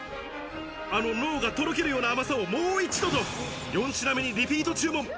あの脳がとろけるような甘さをもう一度の４品目にリピート注文！